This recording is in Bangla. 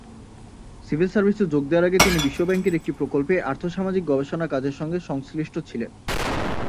সিভিল সার্ভিসে যোগ দেয়ার আগে তিনি বিশ্বব্যাংকের একটি প্রকল্পে আর্থসামাজিক গবেষণা কাজের সঙ্গে সংশ্লিষ্ট ছিলেন।